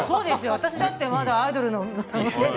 私だってまだアイドルの。